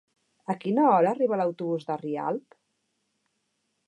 A quina hora arriba l'autobús de Rialp?